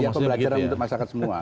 ya pelajaran untuk masyarakat semua